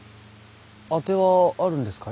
当てはあるんですかい？